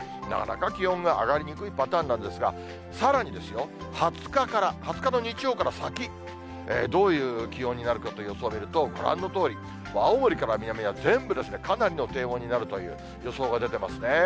なかなか気温が上がりにくいパターンなんですが、さらにですよ、２０日から、２０日の日曜から先、どういう気温になるかという予想を見ると、ご覧のとおり、青森から南が全部、かなりの低温になるという予想が出てますね。